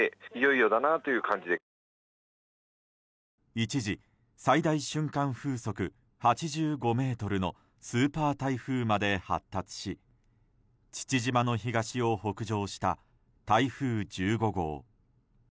一時最大瞬間風速８５メートルのスーパー台風まで発達し父島の東を北上した台風１５号。